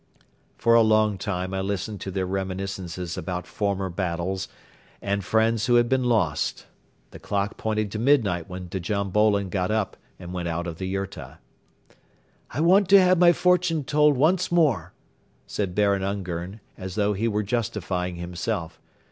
For a long time I listened to their reminiscences about former battles and friends who had been lost. The clock pointed to midnight when Djam Bolon got up and went out of the yurta. "I want to have my fortune told once more," said Baron Ungern, as though he were justifying himself.